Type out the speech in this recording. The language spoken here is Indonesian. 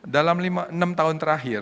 dalam enam tahun terakhir